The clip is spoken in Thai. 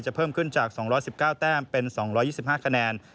เพิ่มขึ้นจาก๒๑๙แต้มเป็น๒๒๕คะแนน